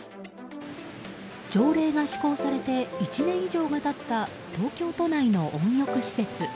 条例が施行されて１年以上が経った東京都内の温浴施設。